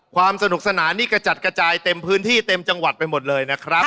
ความสนุกสนานนี่กระจัดกระจายเต็มพื้นที่เต็มจังหวัดไปหมดเลยนะครับ